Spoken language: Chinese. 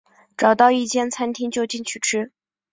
找到一间餐厅就进去吃